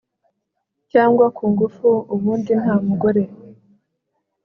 cyangwa ku ngufu ubundi nta mugore